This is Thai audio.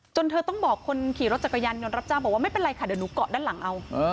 เธอต้องบอกคนขี่รถจักรยานยนต์รับจ้างบอกว่าไม่เป็นไรค่ะเดี๋ยวหนูเกาะด้านหลังเอา